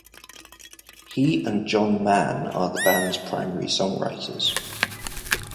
He and John Mann are the band's primary songwriters.